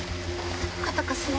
肩貸すね。